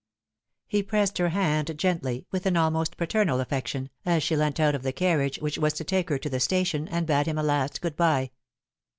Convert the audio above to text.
He pressed her hand gently, with an almost paternal affection, as she leant out of the carriage which was to take her to the station, and bade him a last good bye.